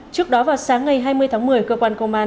trước đó vào sáng ngày hai mươi tháng một mươi cơ quan công an